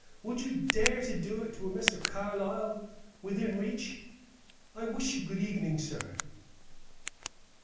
Would you dare to do it, were Mr. Carlyle within reach! I wish you good evening, sir."